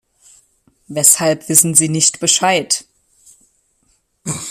Weshalb wissen sie nicht Bescheid?